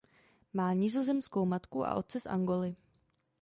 Má nizozemskou matku a otce z Angoly.